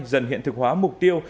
dần hiện thực hóa mục tiêu